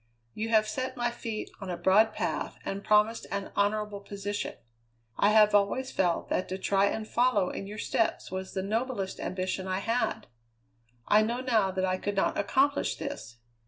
You have set my feet on a broad path and promised an honourable position. I have always felt that to try and follow in your steps was the noblest ambition I had. I know now that I could not accomplish this.